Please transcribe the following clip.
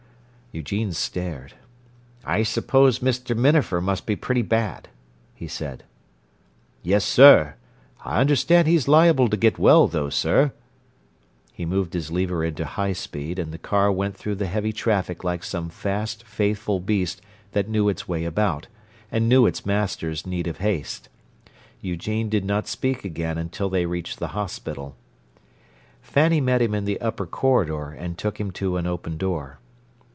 Eugene stared. "I suppose Mr. Minafer must be pretty bad," he said. "Yes, sir. I understand he's liable to get well, though, sir." He moved his lever into high speed, and the car went through the heavy traffic like some fast, faithful beast that knew its way about, and knew its master's need of haste. Eugene did not speak again until they reached the hospital. Fanny met him in the upper corridor, and took him to an open door.